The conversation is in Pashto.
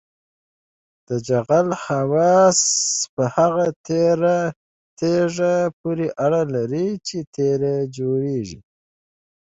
د جغل خواص په هغه تیږه پورې اړه لري چې ترې جوړیږي